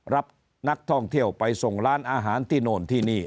รับนักท่องเที่ยวไปส่งร้านอาหารที่โน่นที่นี่